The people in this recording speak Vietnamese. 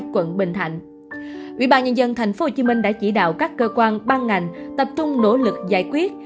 quận bình thạnh ủy ban nhân dân tp hcm đã chỉ đạo các cơ quan ban ngành tập trung nỗ lực giải quyết